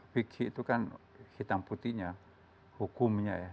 fikih itu kan hitam putihnya hukumnya ya